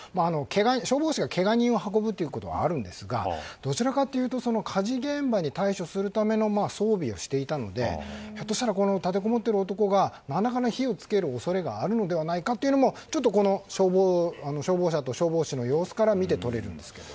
消防車がけが人を運ぶことはあるんですがどちらかというと火事現場に対処するための装備をしていたのでひょっとしたらこの立てこもっている男が何らかの火を付ける恐れがあるのではないかというのもこの消防車と消防士の様子から見て取れるんですけれども。